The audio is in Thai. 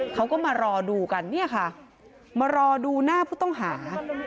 เขาก็มารอดูกันเนี่ยค่ะมารอดูหน้าผู้ต้องหา